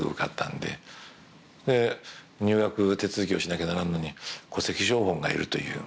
で入学手続きをしなきゃならんのに戸籍抄本がいるという。